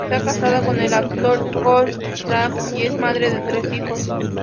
Está casada con el actor Scott Kramer, y es madre de tres hijos.